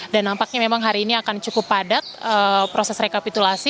dan nampaknya memang hari ini akan cukup padat proses rekapitulasi